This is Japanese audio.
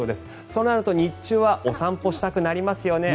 そうなると日中はお散歩したくなりますよね。